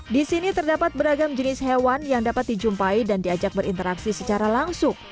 di sini terdapat beragam jenis hewan yang dapat dijumpai dan diajak berinteraksi secara langsung